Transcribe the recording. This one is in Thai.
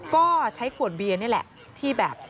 ก็ใช้ขวดเบียร์นี่แหละที่แบบ